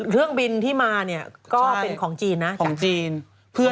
เครื่องบินที่มาเนี่ยก็เป็นของจีนนะของจีน